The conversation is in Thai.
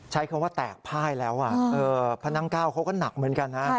ใช้คำว่าแตกพ่ายแล้วพระนั่งเก้าเขาก็หนักเหมือนกันนะ